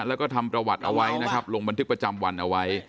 แล้วก็ทำประวัติเอาไว้นะครับลงบันทึกประจำวันเอาไว้